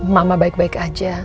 mama baik baik aja